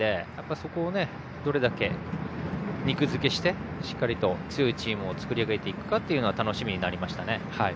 そこをどれだけ肉付けしてしっかりと強いチームを作り上げていくか楽しみになりましたね。